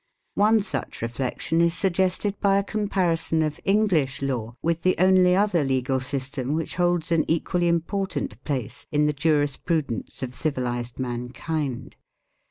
One such reflection is suggested by a comparison of English law with the only other legal system which holds an equally important place in the jurisprudence of civilized mankind.